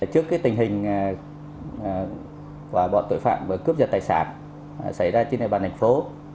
trước tình hình bọn tội phạm cướp giật tài sản xảy ra trên đài bàn thành phố